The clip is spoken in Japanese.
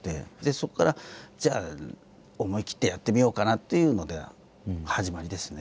そこからじゃあ思い切ってやってみようかなっていうので始まりですね。